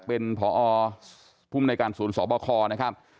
เป็นผอภูมิในการสูญสอบข้อนะครับ